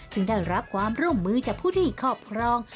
ซึ่งได้รับความร่วมมือจากผู้ที่ครอบครอง